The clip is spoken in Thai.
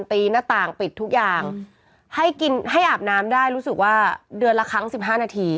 ตีหน้าต่างปิดทุกอย่างให้กินให้อาบน้ำได้รู้สึกว่าเดือนละครั้งสิบห้านาที